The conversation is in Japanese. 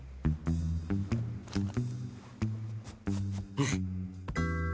うん。